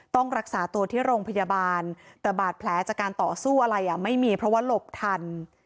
ต้องรักษาตัวที่โรงพยาบาลแต่บาดแผลจากการต่อสู้อะไรไม่มีเพราะว่าหลบทัน